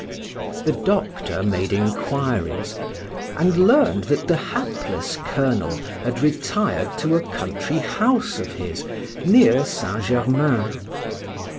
The doctor made inquiries, and learned that the hapless colonel had retired to a country house of his near Saint Germain.